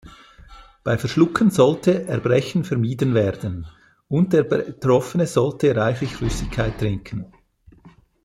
Bei Verschlucken sollte Erbrechen vermieden werden und der Betroffene sollte reichlich Flüssigkeit trinken.